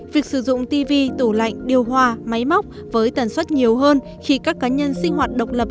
việc sử dụng tv tủ lạnh điều hòa máy móc với tần suất nhiều hơn khi các cá nhân sinh hoạt độc lập